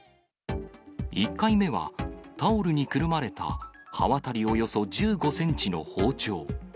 １回目は、タオルにくるまれた刃渡りおよそ１５センチの包丁。